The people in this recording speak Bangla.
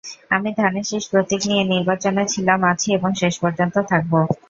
আমি ধানের শীষ প্রতীক নিয়ে নির্বাচনে ছিলাম আছি এবং শেষপর্যন্ত থাকব।